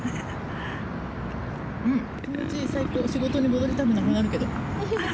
気持ちいい、最高、仕事に戻りたくなくなるけど。